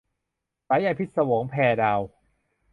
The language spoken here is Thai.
สายใยพิศวง - แพรดาว